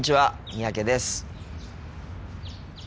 三宅です。